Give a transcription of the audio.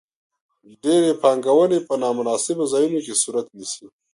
ډېرې پانګونې په نا مناسبو ځایونو کې صورت نیسي.